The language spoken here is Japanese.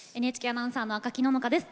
ＮＨＫアナウンサーの赤木野々花です。